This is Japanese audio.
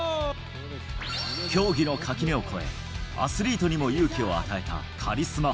競技の垣根を越え、アスリートにも勇気を与えたカリスマ。